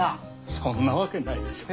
そんなわけないでしょう。